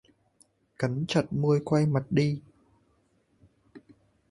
Cắn chặt môi quay mặt đi